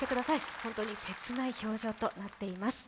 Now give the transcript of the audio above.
本当に切ない表情となっています。